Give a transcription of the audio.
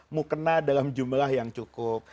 mau kena dalam jumlah yang cukup